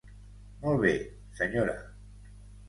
Molt bé, senyora.